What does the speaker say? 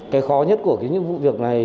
cái khó nhất của cái vụ việc này